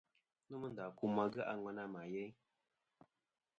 Nomɨ ndà kum age' a ŋwena mà yeyn.